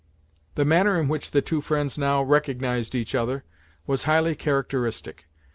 The manner in which the two friends now recognized each other, was highly characteristic.